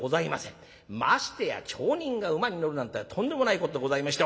ましてや町人が馬に乗るなんてとんでもないことでございまして。